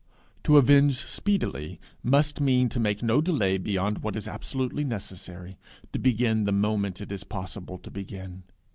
To avenge speedily must mean to make no delay beyond what is absolutely necessary, to begin the moment it is possible to begin.